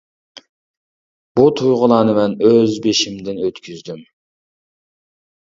بۇ تۇيغۇلارنى مەن ئۆز بېشىمدىن ئۆتكۈزدۈم.